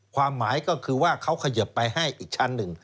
ความหมายก็คือว่าเขาเขยิบไปให้อีกชั้นหนึ่ง